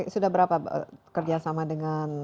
sudah berapa kerja sama dengan